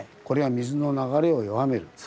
これは水の流れを弱める。